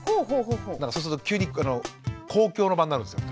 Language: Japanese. そうすると急に公共の場になるんですよ